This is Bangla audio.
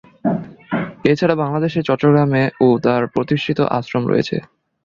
এছাড়া বাংলাদেশের চট্টগ্রামে ও তার প্রতিষ্ঠিত আশ্রম রয়েছে।